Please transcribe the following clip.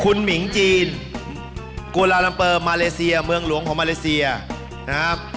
คุณหมิงจีนกุลาลัมเปอร์มาเลเซียเมืองหลวงของมาเลเซียนะครับ